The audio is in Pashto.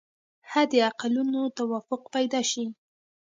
حد اقلونو توافق پیدا شي.